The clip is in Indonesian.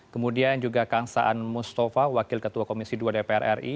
kemudian juga kang saan mustafa wakil ketua komisi dua dpr ri